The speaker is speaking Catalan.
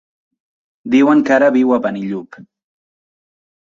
Diuen que ara viu a Benillup.